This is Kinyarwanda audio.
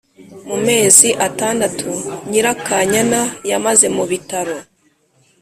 Mu mezi atandatu Nyirakanyana yamaze mu bitaro